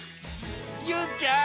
ゆうちゃん